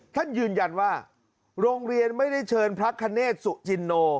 ท่านยืนยันว่าโรงเรียนไม่ได้เชิญพระคเนธสุจินโน